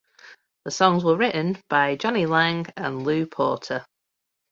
The songs were written by Johnny Lange and Lew Porter.